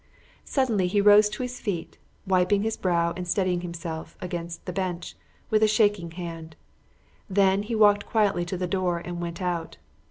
Suddenly he rose to his feet, wiping his brow and steadying himself against the bench with a shaking hand; then he walked quietly to the door and went out.